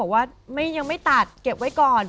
ว่ายังไม่ตัดเก็บไว้ก่อน